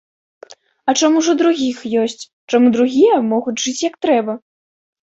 А чаму ж у другіх ёсць, чаму другія могуць жыць як трэба.